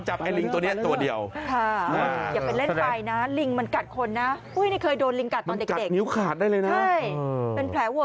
ใช่เป็นแผลเวิร์กเลยนะครับ